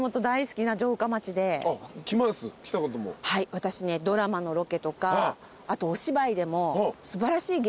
私ねドラマのロケとかあとお芝居でも。